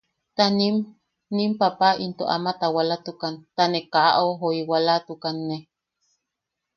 Ta nim, nim papa into ama tawalatukan ta ne kaa au joiwalatukanne.